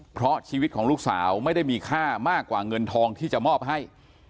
เพราะชีวิตของลูกสาวไม่ได้มีค่ามากกว่าเงินทองที่จะมอบให้